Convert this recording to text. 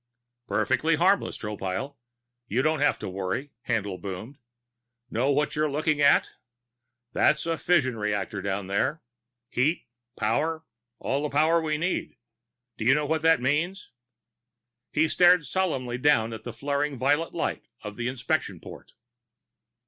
"Perfectly harmless, Tropile you don't have to worry," Haendl boomed. "Know what you're looking at? There's a fusion reactor down there. Heat. Power. All the power we need. Do you know what that means?" He stared soberly down at the flaring violet light of the inspection port.